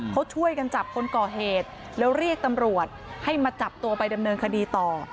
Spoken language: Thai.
เขาช่วยกันจับคนก่อเหตุแล้วเรียกตำรวจให้มาจับตัวไปดำเนินคดีต่อ